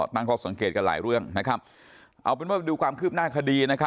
ต้องก็สังเกตกันหลายเรื่องนะครับผมดูความคือบหน้าอาคารดี